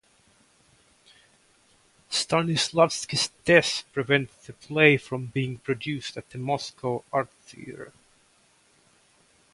Stanislavski's death prevented the play from being produced at the Moscow Art Theater.